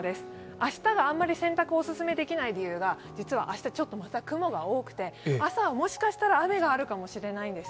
明日があんまり洗濯お勧めできない理由が実は明日ちょっとまた雲が多くて、朝はもしかしたら雨があるかもしれないんです。